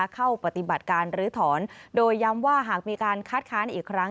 เข้าปฏิบัติการลื้อถอนโดยย้ำว่าหากมีการคัดค้านอีกครั้ง